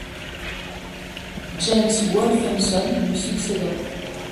James Wolfensohn lui succéda.